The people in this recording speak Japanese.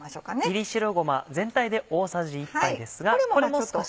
炒り白ごま全体で大さじ１杯ですがこれも少し。